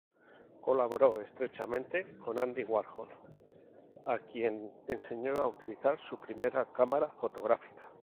Colaboró estrechamente con Andy Warhol, a quien enseñó a utilizar su primera cámara fotográfica.